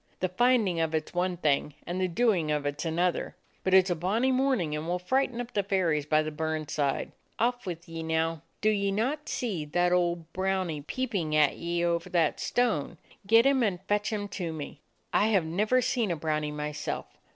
The finding of it 's one thing, and the doing of it 's another. But it 's a bonny morning, and we 'll frighten up the fairies by the burn side. Off with ye, now. Do ye not see that old brownie peeping at ye over that stone? Get him and fetch him to me. I have never seen a brownie myself.